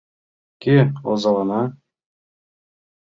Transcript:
Кӧ озалана?